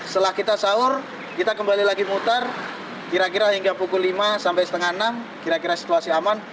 setelah kita sahur kita kembali lagi mutar kira kira hingga pukul lima sampai setengah enam kira kira situasi aman